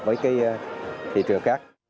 với cái thị trường khác